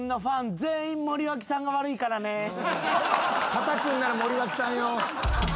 たたくんなら森脇さんよ。